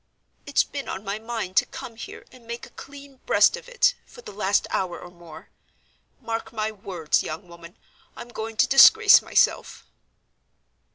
"It's been on my mind to come here and make a clean breast of it, for the last hour or more. Mark my words, young woman. I'm going to disgrace myself."